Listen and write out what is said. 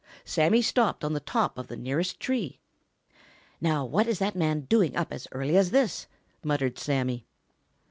Sammy stopped on the top of the nearest tree. "Now what is that man doing up as early as this?" muttered Sammy.